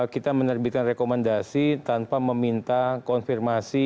kita menerbitkan rekomendasi tanpa meminta konfirmasi